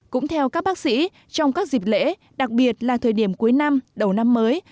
cũng theo các bác sĩ trong các dịp lễ đặc biệt là thời điểm cuối năm đầu năm mới